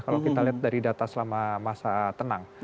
kalau kita lihat dari data selama masa tenang